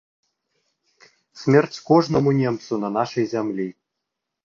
Смерць кожнаму немцу на нашай зямлі!